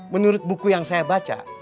menurut buku yang saya baca